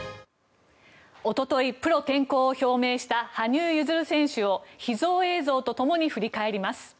おとといプロ転向を表明した羽生結弦選手を秘蔵映像とともに振り返ります。